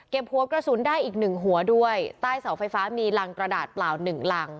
หัวกระสุนได้อีกหนึ่งหัวด้วยใต้เสาไฟฟ้ามีรังกระดาษเปล่าหนึ่งรัง